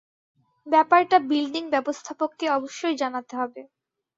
ব্যাপারটা বিল্ডিং ব্যবস্থাপককে অবশ্যই জানাতে হবে।